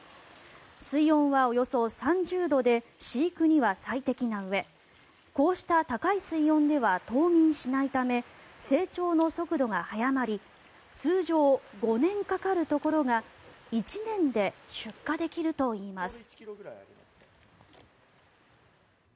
水温はおよそ３０度で飼育には最適なうえこうした高い水温では冬眠しないため成長の速度が速まり通常５年かかるところが１年で出荷できるといいます。